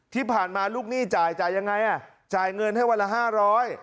ที่ผ่านมาลูกหนี้จ่ายจ่ายยังไงอ่ะจ่ายเงินให้วันละห้าร้อย